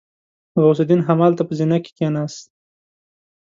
غوث الدين همالته په زينه کې کېناست.